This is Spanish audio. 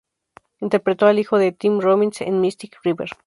Interpretó al hijo de Tim Robbins en "Mystic River".